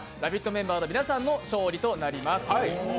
メンバーの皆さんの勝利となります。